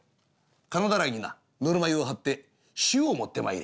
金だらいになぬるま湯を張って塩を持ってまいれ」。